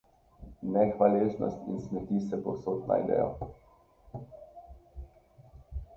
Nehvaležnost in smeti se povsod najdejo.